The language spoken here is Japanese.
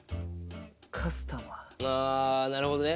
あなるほどね。